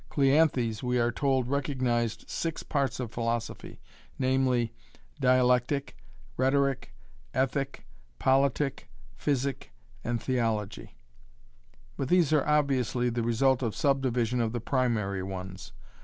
Cleanthes we are told recognised six parts of philosophy, namely, dialectic, rhetoric, ethic, politic, physic, and theology, but these are obviously the result of subdivision of the primary ones.